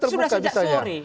sudah sejak sore